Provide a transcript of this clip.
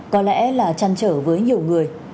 có lẽ là trăn trở với nhiều người